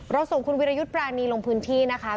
ส่งคุณวิรยุทธ์ปรานีลงพื้นที่นะคะ